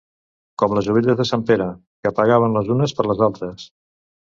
Com les ovelles de sant Pere, que pagaven les unes per les altres.